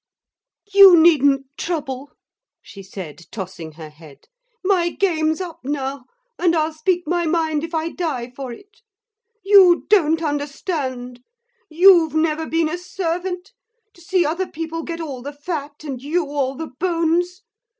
'You needn't trouble,' she said, tossing her head; 'my game's up now, and I'll speak my mind if I die for it. You don't understand. You've never been a servant, to see other people get all the fat and you all the bones.